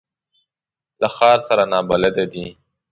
له ښار سره نابلده دي.